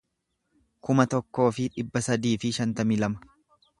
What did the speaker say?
kuma tokkoo fi dhibba sadii fi shantamii lama